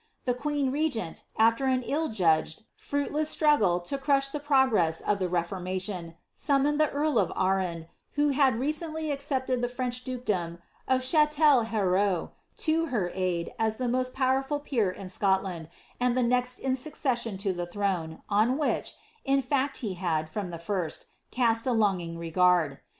Tlie queen regent, after an ill judged, fruitless struggle to crash the progress of the Reformation, summoned the earl of Arran, who had recently accepted the French dukedom of Chatelherault, to her lid, as the moat powerful peer in Scotland, and the next in succession to the throne, on which, in fact he had, from the first, cast a longing Rfird.